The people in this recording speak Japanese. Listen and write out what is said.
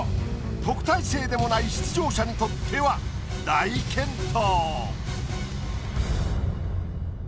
特待生でもない出場者にとっては大健闘。